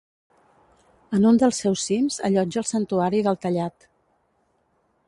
En un dels seus cims allotja el santuari del Tallat.